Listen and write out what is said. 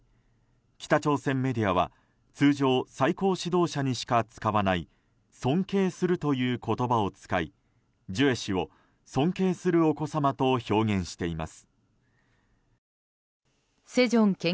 北朝鮮メディアは通常、最高指導者にしか使わない尊敬するという言葉を使いジュエ氏を尊敬するお子様と表現しています。